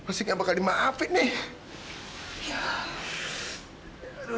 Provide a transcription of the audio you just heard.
pasti gak bakal dimaafin nih